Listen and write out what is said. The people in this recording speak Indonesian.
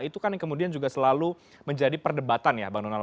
itu kan yang kemudian juga selalu menjadi perdebatan ya bang donald